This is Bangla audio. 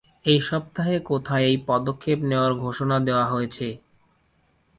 এই সপ্তাহে কোথায় এই পদক্ষেপ নেওয়ার ঘোষণা দেওয়া হয়েছে?